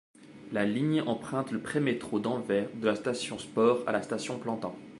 La ligne emprunte le prémétro d'Anvers de la station Sport à la station Plantin.